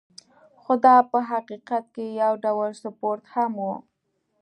خو دا په حقیقت کې یو ډول سپورت هم و.